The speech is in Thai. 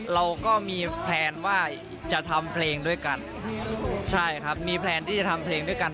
เราก็มีแพลนว่าจะทำเพลงด้วยกันใช่ครับมีแพลนที่จะทำเพลงด้วยกัน